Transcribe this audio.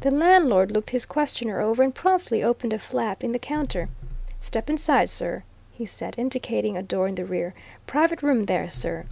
The landlord looked his questioner over and promptly opened a flap in the counter. "Step inside, sir," he said, indicating a door in the rear. "Private room there, sir."